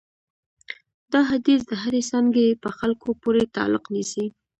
دا حدیث د هرې څانګې په خلکو پورې تعلق نیسي.